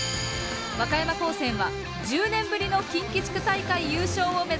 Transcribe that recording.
和歌山高専は１０年ぶりの近畿地区大会優勝を目指します。